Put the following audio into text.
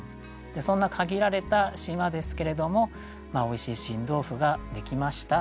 そんな限られた島ですけれどもおいしい新豆腐ができましたという句ですね。